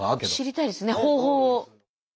知りたいですね方法を。